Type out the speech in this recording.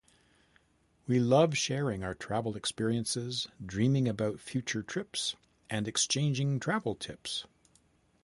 We love sharing our travel experiences, dreaming about future trips, and exchanging travel tips.